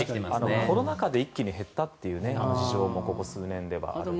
コロナ禍で一気に減ったという事情もここ数年ではあるみたいです。